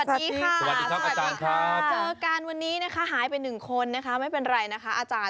เจอกันวันนี้นะคะหายไปหนึ่งคนนะคะไม่เป็นไรนะคะอาจารย์